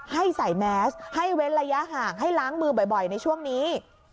ให้ใส่แมสให้เว้นระยะห่างให้ล้างมือบ่อยในช่วงนี้